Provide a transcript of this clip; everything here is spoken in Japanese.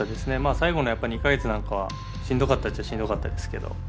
最後のやっぱ２か月なんかはしんどかったっちゃしんどかったですけど。